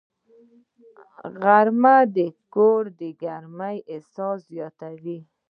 غرمه د کور د ګرمۍ احساس زیاتوي